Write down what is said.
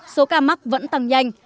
số ca mắc vẫn tăng nhanh